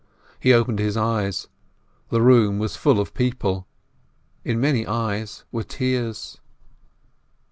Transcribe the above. He opened his eyes. The room was full of people. In many eyes were tears.